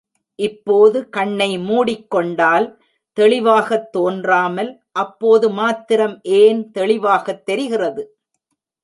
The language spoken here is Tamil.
இப்போது கண்ணை மூடிக் கொண்டால் தெளிவாகத் தோன்றாமல் அப்போது மாத்திரம் ஏன் தெளிவாகத் தெரிகிறது?